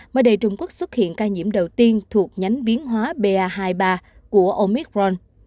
mà đầy trung quốc xuất hiện ca nhiễm đầu tiên thuộc nhánh biến hóa ba hai mươi ba của omicron